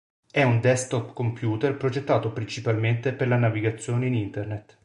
È un desktop computer progettato principalmente per la navigazione in Internet.